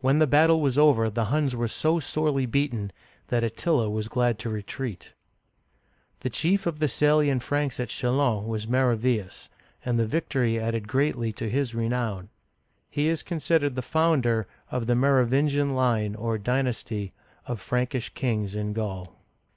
When the battle was over, the Huns were so sorely beaten that Attila was glad to retreat. The chief of the Salian Franks at Chdlons was Mero ve'us, and the victory added greatly to his renown. He is considered the founder of the Merovin'gian line, or dynasty, of Prankish kings in Gaul.